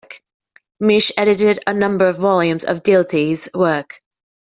Misch edited a number of volumes of Dilthey's works.